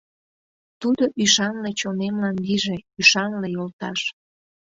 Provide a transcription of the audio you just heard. Тудо ӱшанле чонемлан Лийже ӱшанле йолташ.